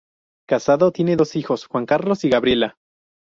Casado, tiene dos hijos: Juan Carlos y Gabriela.